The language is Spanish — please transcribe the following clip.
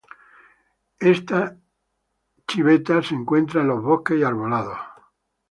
Esta civeta se encuentra en los bosques y arbolados.